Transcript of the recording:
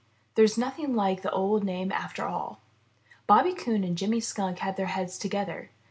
THERE'S NOTHING LIKE THE OLD NAME AFTER ALL Bobby Coon and Jimmy Skunk had their heads together.